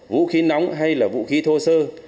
vũ khí nóng hay là vũ khí thô sơ